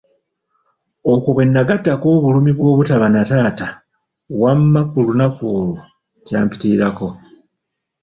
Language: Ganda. Okwo bwe nagattako obulumi bw'obutaba na taata wamma ku lunaku olwo kyampitirirako.